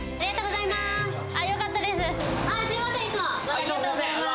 ありがとうございます。